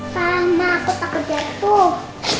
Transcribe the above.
sama aku takut jatuh